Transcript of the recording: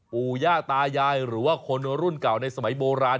ปู่ย่าตายายหรือว่าคนรุ่นเก่าในสมัยโบราณ